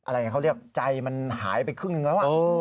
อะไรเขาเรียกใจมันหายไปครึ่งหนึ่งแล้ว